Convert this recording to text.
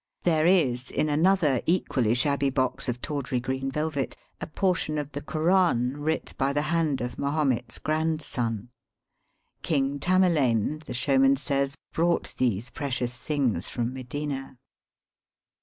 There is in another equally shabby box of tawdry green velvet a portion of the Koran writ by the hand of Mahomet's grandson. King Tamerlane, the showman says, brought these precious things from Medina.